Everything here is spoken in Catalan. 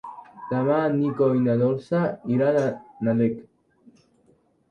Demà en Nico i na Dolça iran a Nalec.